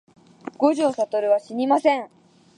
五条悟はしにます